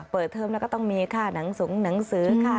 เปิดเทอมแล้วก็ต้องมีค่าหนังสงหนังสือค่ะ